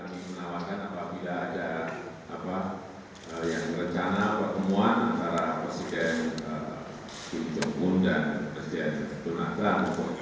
presiden jokowi menawarkan apabila ada rencana pertemuan antara presiden kim jong un dan presiden donald trump